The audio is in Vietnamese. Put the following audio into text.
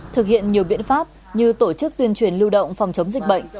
thực hiện nhiều biện pháp như tổ chức tuyên truyền lưu động phòng chống dịch bệnh